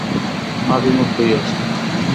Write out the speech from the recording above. মা বিমুখ হইয়াছেন।